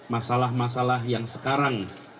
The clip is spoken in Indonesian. masalah masalah yang sekarang